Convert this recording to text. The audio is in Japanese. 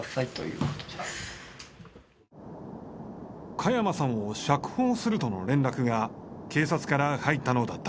「加山さんを釈放する」との連絡が警察から入ったのだった。